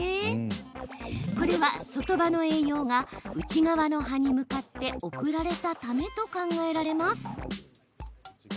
これは、外葉の栄養が内側の葉に向かって送られたためと考えられます。